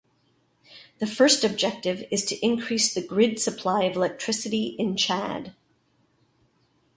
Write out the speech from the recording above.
The first objective is to increase the grid supply of electricity in Chad.